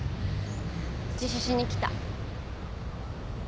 自首しに来た。